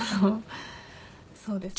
そうですね。